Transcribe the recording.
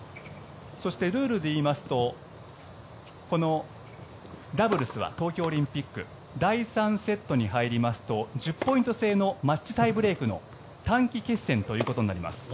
そして、ルールでいいますとダブルスは、東京オリンピック第３セットに入りますと１０ポイント制のマッチタイブレークの短期決戦ということになります。